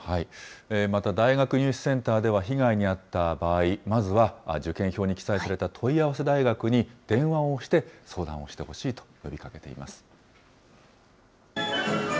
また大学入試センターでは、被害に遭った場合、まずは受験票に記載された問い合わせ大学に電話をして、相談をしてほしいと呼びかけています。